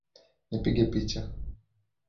Nipige picha